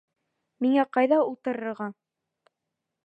Миңә ҡайҙа ултырырға?